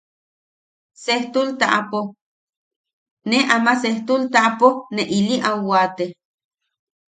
Sestul taʼapo... ne ama sestul taʼapo... ne ili au waate.